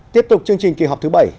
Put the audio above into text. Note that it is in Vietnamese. tiếp tục chương trình kỳ họp thứ bảy